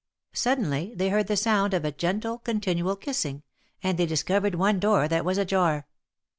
Suddenly they heard the sound of gentle, continual kissing, and they discovered one door that was ajar.